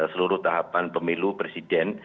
seluruh tahapan pemilu presiden